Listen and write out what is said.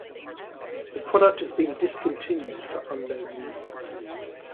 The product has been discontinued for unknown reasons.